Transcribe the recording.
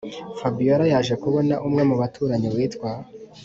fabiora yaje kubona umwe mubaturanyi witwa